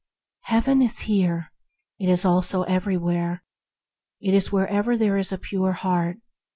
Heaven is here. It is also everywhere. It is wherever there is a pure heart.